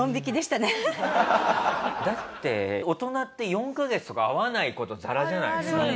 だって大人って４カ月とか会わない事ざらじゃないですか。